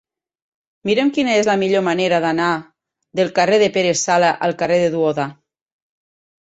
Mira'm quina és la millor manera d'anar del carrer de Pere Sala al carrer de Duoda.